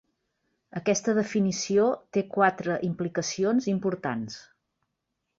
Aquesta definició té quatre implicacions importants.